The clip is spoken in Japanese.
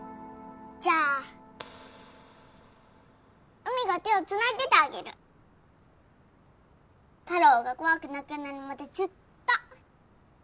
じゃあうみが手をつないでてあげるたろーが怖くなくなるまでずっと！